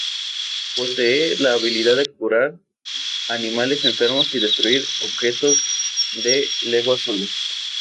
Posee la habilidad de curar a animales enfermos y destruir objetos de Lego azules.